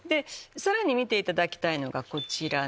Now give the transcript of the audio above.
さらに見ていただきたいのがこちら。